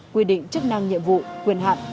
quy định chức năng nhiệm vụ quyền hạn